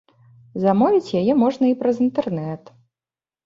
Замовіць яе можна і праз інтэрнэт.